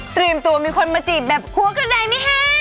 ตรีมตัวมีคนมาจีบแบบหัวขนาดใดไม่แห้ง